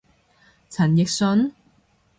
陳奕迅？